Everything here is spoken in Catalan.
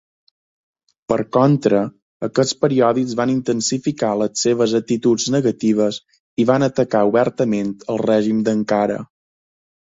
Per contra, aquests periòdics van intensificar les seves actituds negatives i van atacar obertament el règim d'Ankara.